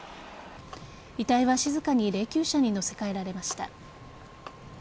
遺体は静かに霊きゅう車に乗せ替えられました。